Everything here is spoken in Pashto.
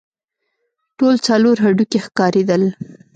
ټول څلور هډوکي ښکارېدل.